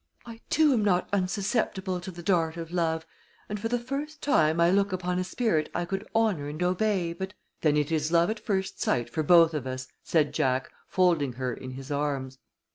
"I too am not unsusceptible to the dart of love, and for the first time I look upon a spirit I could honor and obey, but " "Then it is love at first sight for both of us," said Jack, folding her in his arms.